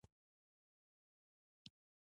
نجلۍ ژر له خپلې کورنۍ سره خبرې وکړې